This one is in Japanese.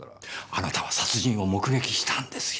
あなたは殺人を目撃したんですよ。